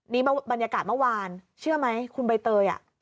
นี่บรรยากาศเมื่อวานเชื่อไหมคุณใบเตย